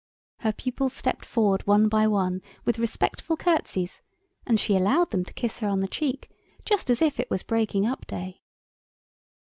Her pupils stepped forward one by one with respectful curtsies, and she allowed them to kiss her on the cheek, just as if it was breaking up day.